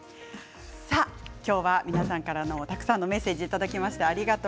今日は皆さんからのたくさんのメッセージいただきました。